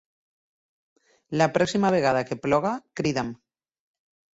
La pròxima vegada que plogui, truca'm.